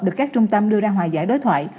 được các trung tâm đưa ra hòa giải đối thoại